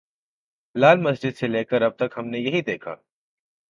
لال مسجد سے لے کر اب تک ہم نے یہی دیکھا۔